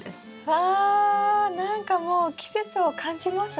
わ何かもう季節を感じますね。